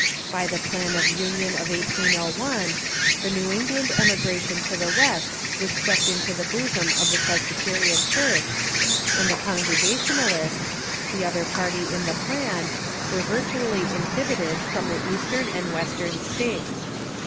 B}^ the Plan of Union of 1801 the New England emigration to the West was swept into the bosom of the Presbyterian Church, and the Congregationalists, the other i:)arty in the Plan, were virtually inhibited from the Eastern and Western States.